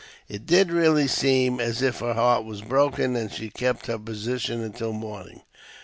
It did really seem as if her heart was broken, and she kept her position until morning.